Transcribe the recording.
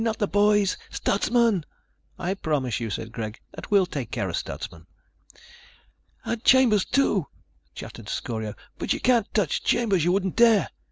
Not the boys. Stutsman." "I promise you," said Greg, "that we'll take care of Stutsman." "And Chambers, too," chattered Scorio. "But you can't touch Chambers. You wouldn't dare."